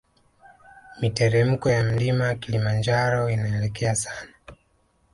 Miteremko ya mlima kilimanjaro inaelekea sana